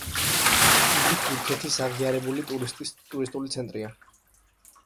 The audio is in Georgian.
იგი თურქეთის აღიარებული ტურისტული ცენტრია.